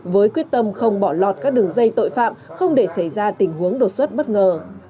với quyết tâm không bỏ lọt các đường dây tội phạm không để xảy ra tình huống đột xuất bất ngờ